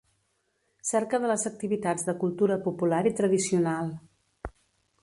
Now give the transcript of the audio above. Cerca de les activitats de cultura popular i tradicional.